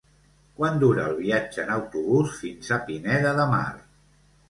Quant dura el viatge en autobús fins a Pineda de Mar?